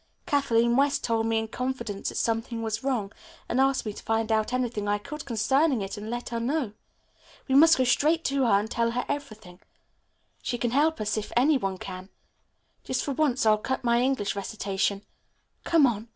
Kathleen West told me in confidence that something was wrong, and asked me to find out anything I could concerning it and let her know. We must go straight to her and tell her everything. She can help us if any one can. Just for once I'll cut my English recitation. Come on.